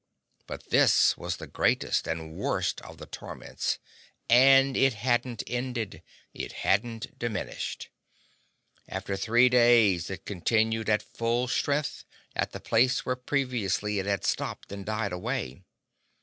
But this was the greatest and worst of the torments. And it hadn't ended. It hadn't diminished. After three days it continued at full strength at the place where previously it had stopped and died away.